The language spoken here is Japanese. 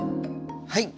はい。